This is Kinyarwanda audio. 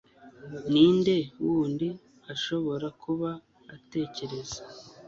ninde wundi ashobora kuba atekereza